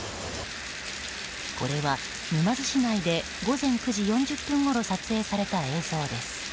これは沼津市内で午前９時４０分ごろ撮影された映像です。